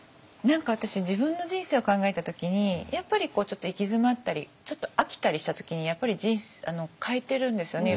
何か私自分の人生を考えた時にやっぱりちょっと行き詰まったりちょっと飽きたりした時にやっぱり変えてるんですよね